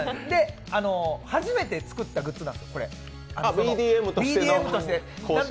初めて作ったグッズなんです、ＢＤＭとして。